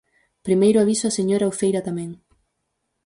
Primeiro aviso á señora Uceira tamén.